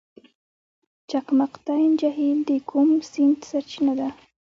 چقمقتین جهیل د کوم سیند سرچینه ده؟